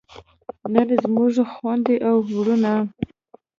نن زموږ خویندې او وروڼه